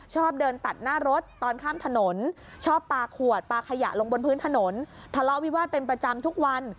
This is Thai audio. ชอบเดินตัดหน้ารถตอนข้ามถนนชอบปลาขวดปลาขยะลงบนพื้นถนนทะเลาะวิวาสเป็นประจำทุกวัน